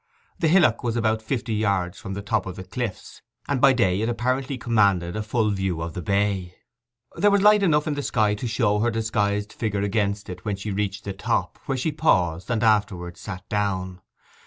The hillock was about fifty yards from the top of the cliffs, and by day it apparently commanded a full view of the bay. There was light enough in the sky to show her disguised figure against it when she reached the top, where she paused, and afterwards sat down.